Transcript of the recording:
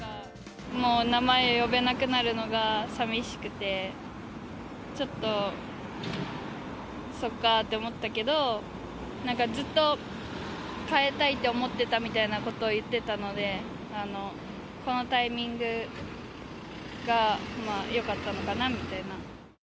もう名前呼べなくなるのがさみしくて、ちょっと、そっかーって思ったけど、なんかずっと変えたいって思ってたみたいなことを言ってたので、このタイミングがよかったのかなみたいな。